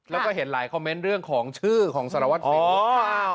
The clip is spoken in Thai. แล้วก็เห็นหลายคอมเมนต์เรื่องของชื่อของสารวัตรสิว